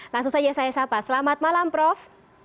langsung saja saya sapa selamat malam prof